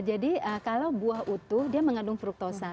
jadi kalau buah utuh dia mengandung fruktosa